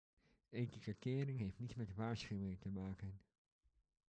Etikettering heeft niets met waarschuwingen te maken.